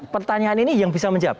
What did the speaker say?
pertanyaan ini yang bisa menjawab